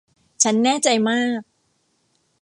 ฉันแน่ใจมาก